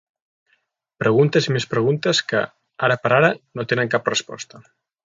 Preguntes i més preguntes que, ara per ara, no tenen cap resposta.